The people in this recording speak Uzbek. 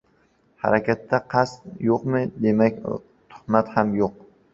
Harakatda qasd yo‘qmi, demak, tuhmat ham yo‘q!